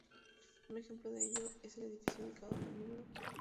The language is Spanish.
Un ejemplo de ello es el edificio ubicado en el número.